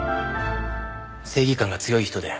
正義感が強い人で。